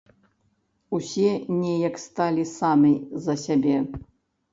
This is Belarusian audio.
Усе неяк сталі самі за сябе.